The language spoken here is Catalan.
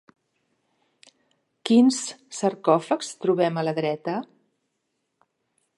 Quins sarcòfags trobem a la dreta?